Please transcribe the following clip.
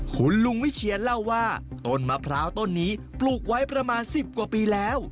คุณลุงวิเชียนเล่าว่าต้นมะพร้าวต้นนี้ปลูกไว้ประมาณ๑๐กว่าปีแล้ว